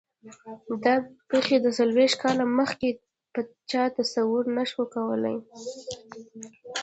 دا پېښې څلوېښت کاله مخکې چا تصور نه شو کولای.